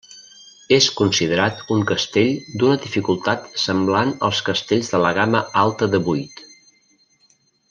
És considerat un castell d'una dificultat semblant als castells de la gamma alta de vuit.